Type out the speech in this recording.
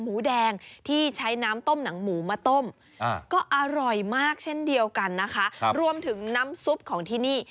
หมูแดงที่ใช้น้ำต้มหนังหมูมาต้มก็อร่อยมากเช่นเดียวกันนะคะรวมถึงน้ำซุปของที่นี่